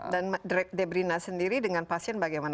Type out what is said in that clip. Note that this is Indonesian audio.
dan debrina sendiri dengan pasien bagaimana